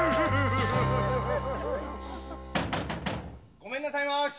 ・ごめんなさいまし！